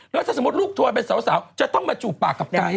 แล้วถ้าสมมุติลูกทัวร์เป็นสาวจะต้องมาจูบปากกับไก๊